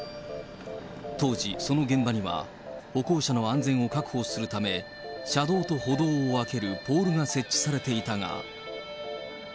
当時、その現場には、歩行者の安全を確保するため、車道と歩道を分けるポールが設置されていたが。